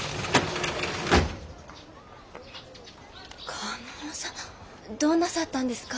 嘉納さんどうなさったんですか？